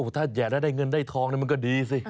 ถ้าแห่แล้วได้เงินได้ทองมันก็ดีสิ